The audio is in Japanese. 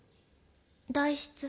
代筆。